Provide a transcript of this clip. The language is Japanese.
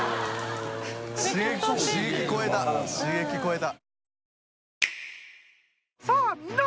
刺激超えた刺激超えた。